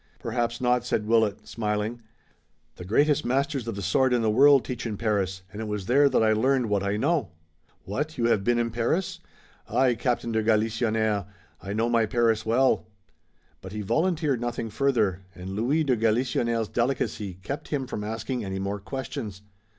"Perhaps not!" said Willet, smiling. "The greatest masters of the sword in the world teach in Paris, and it was there that I learned what I know." "What, you have been in Paris?" "Aye, Captain de Galisonnière, I know my Paris well." But he volunteered nothing further and Louis de Galisonnière's delicacy kept him from asking any more questions.